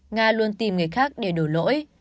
nga luôn tìm người khác để đổ lỗi